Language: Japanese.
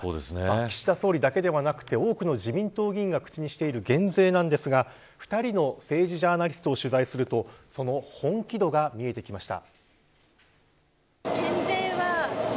岸田総理だけではなく多くの自民党議員が口にしている減税ですが２人の政治ジャーナリストを取材するとその本気度が見えてきました。